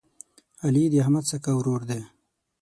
علي د احمد سکه ورور دی.